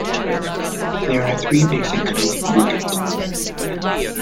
There are three basic kinds of nougat.